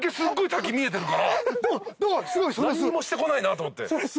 何にもしてこないなと思って。